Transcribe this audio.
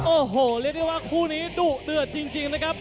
โอ้โหเรียกได้ว่าคู่นี้ดุเดือดจริงนะครับ